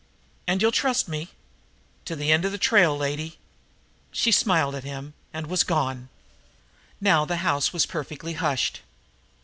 "And you'll trust me?" "To the end of the trail, lady." She smiled at him again and was gone. Now the house was perfectly hushed.